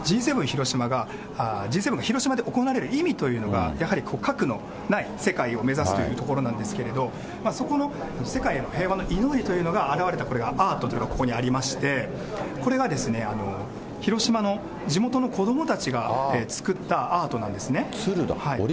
広島が、Ｇ７が広島で行われる意味というのが、やはり核のない世界を目指すというところなんですけど、そこの世界への平和の祈りというのが表れたこれがアートというのがここにありまして、これが広島の地元の子どもたちが作ったアー鶴だ、折り鶴。